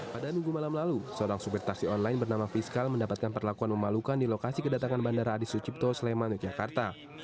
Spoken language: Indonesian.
pada minggu malam lalu seorang supir taksi online bernama fiskal mendapatkan perlakuan memalukan di lokasi kedatangan bandara adi sucipto sleman yogyakarta